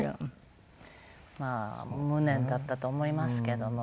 まあ無念だったと思いますけども。